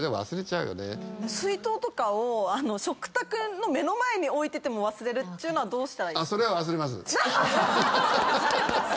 水筒とかを食卓の目の前に置いてても忘れるっていうのはどうしたらいいですか？